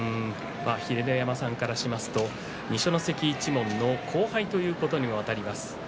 秀ノ山さんからすると二所ノ関一門の後輩ということになります。